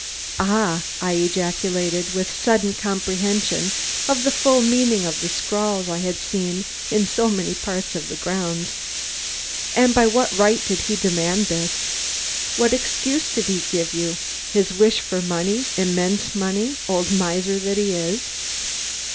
"Ah!" I ejaculated, with sudden comprehension of the full meaning of the scrawls I had seen in so many parts of the grounds. "And by what right did he demand this? What excuse did he give you? His wish for money, immense money old miser that he is!"